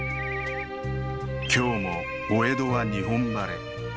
今日もお江戸は日本晴れ。